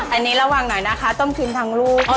อันนี้ระวังหน่อยนะคะต้องกินทั้งรูปนะคะ